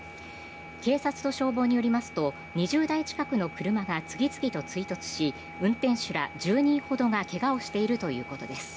警察と消防によりますと２０台近くの車が次々と追突し運転手ら１０人ほどが怪我をしているということです。